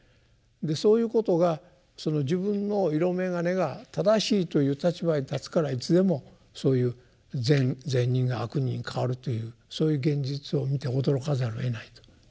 そういうことがその自分の色眼鏡が正しいという立場に立つからいつでもそういう「善人」が「悪人」に変わるというそういう現実を見て驚かざるをえないということになるわけですし。